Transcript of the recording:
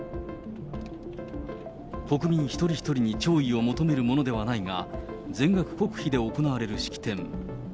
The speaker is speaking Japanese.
国民一人一人に弔意を求めるものではないが、全額国費で行われる式典。